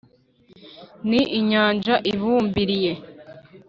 Ni inyanja ibumbiriye,